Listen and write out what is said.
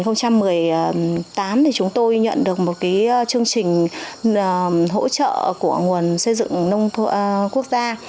năm hai nghìn một mươi tám thì chúng tôi nhận được một chương trình hỗ trợ của nguồn xây dựng nông quốc gia